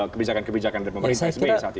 kebijakan kebijakan dari pemerintah sby saat itu